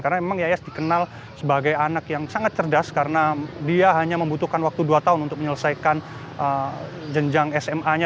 karena memang yayas dikenal sebagai anak yang sangat cerdas karena dia hanya membutuhkan waktu dua tahun untuk menyelesaikan jenjang sma nya